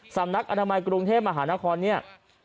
สำนักอนามัยกรุงเทพมหานครเนี่ย